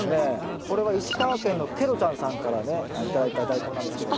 これは石川県のケロちゃんさんからね頂いたダイコンなんですけども。